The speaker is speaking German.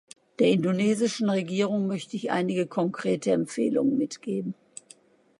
Der indonesischen Regierung möchte ich einige konkrete Empfehlungen mitgeben.